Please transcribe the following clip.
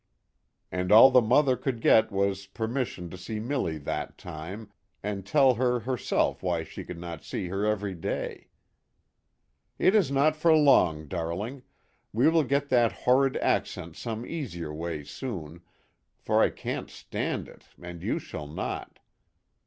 And all the mother could get was permission to see Milly that time, and tell her herself why she could not see her every day :" It is not for long, darling we will get that horrid accent some easier way soon, for I can't stand it, and you shall not.